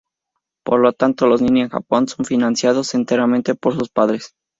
Por lo tanto los nini en Japón son financiados enteramente por sus padres.